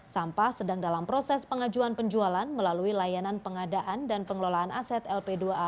sampah sedang dalam proses pengajuan penjualan melalui layanan pengadaan dan pengelolaan aset lp dua a